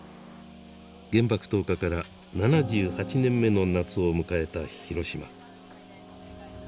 原爆投下から７８年目の夏を迎えた広島。